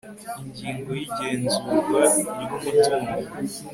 ingingo ya igenzurwa ry umutungo